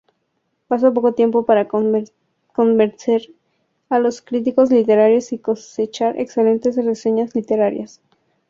Pasa poco tiempo para convencer a los críticos literarios y cosechar excelentes reseñas literarias.